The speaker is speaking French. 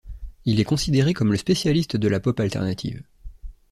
Il est considéré comme le spécialiste de la pop alternative.